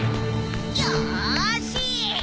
よし！